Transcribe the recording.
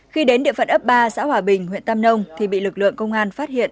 khi đến địa phận ấp ba xã hòa bình huyện tam nông thì bị lực lượng công an phát hiện